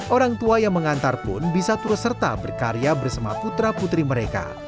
orang tua yang mengantar pun bisa terus serta berkarya bersama putra putri mereka